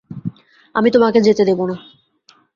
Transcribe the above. আমি তোমাকে যেতে দেব না।